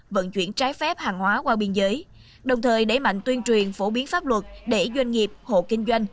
vận chuyển trái phép hàng hóa qua biên giới đồng thời đẩy mạnh tuyên truyền phổ biến pháp luật để doanh nghiệp hộ kinh doanh